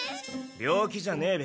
病気じゃねえべ。